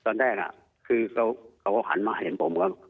ตอนแรกคือเขาก็หันมาเห็นผมครับ